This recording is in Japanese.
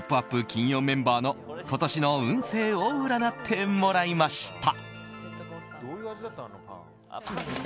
金曜メンバーの今年の運勢を占ってもらいました。